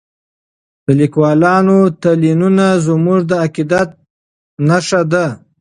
د لیکوالو تلینونه زموږ د عقیدت نښه ده.